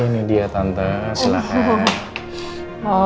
ini dia tante silahkan